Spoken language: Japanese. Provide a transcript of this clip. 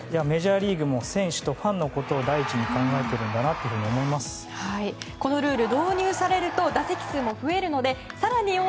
メジャーリーグも選手とファンのことを第一に考えているんだなとこのルール、導入されると打席数も増えるので更に